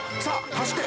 「走って。